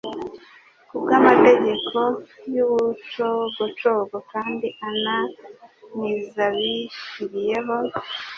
Kubw'amategeko y'ubucogocogo kandi ananizabishyiriyeho,